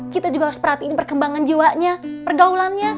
kita juga harus perhatiin perkembangan jiwanya pergaulannya